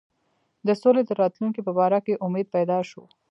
د سولي د راتلونکي په باره کې امید پیدا شو.